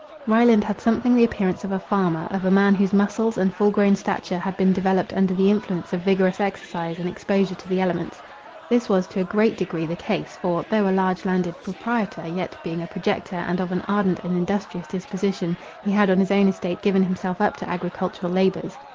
Ryland had something the appearance of a farmer; of a man whose muscles and full grown stature had been developed under the influence of vigorous exercise and exposure to the elements. This was to a great degree the case: for, though a large landed proprietor, yet, being a projector, and of an ardent and industrious disposition, he had on his own estate given himself up to agricultural labours.